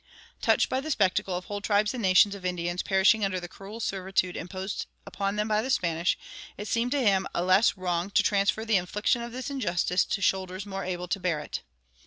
Touched by the spectacle of whole tribes and nations of the Indians perishing under the cruel servitude imposed upon them by the Spanish, it seemed to him a less wrong to transfer the infliction of this injustice to shoulders more able to bear it.